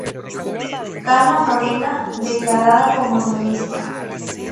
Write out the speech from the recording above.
Cala Morena: declarada como nudista